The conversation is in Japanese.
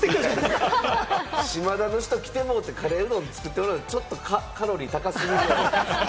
「しまだ」の人来てもらって、カレーうどん作ってもらったら、ちょっとカロリー高すぎる。